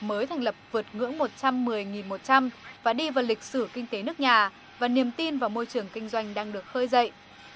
mới thành lập vượt ngưỡng một trăm một mươi một trăm linh và đi vào lịch sử kinh tế nước nhà và niềm tin vào môi trường kinh doanh đang được khơi dậy